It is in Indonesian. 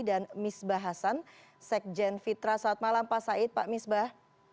dan misbah hasan sekjen fitra saat malam pak said pak misbah